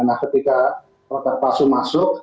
nah ketika produk pasu masuk